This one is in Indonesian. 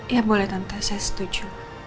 ya boleh tanpa saya setuju